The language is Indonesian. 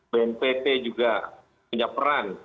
bnpt juga punya peran